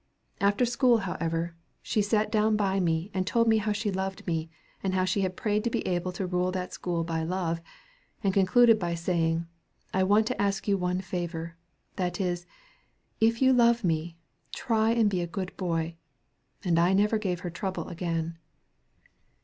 After school, however, she sat down by me and told me how she loved me, and how she had prayed to be able to rule that school by love, and concluded by saying, 'I want to ask you one favor, that is, if you love me, try and be a good boy;' and I never gave her trouble again."